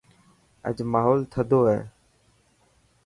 اڄ ماحول نندو هي